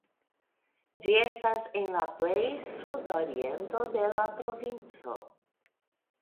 Ĝi estas en la plej sudoriento de la provinco.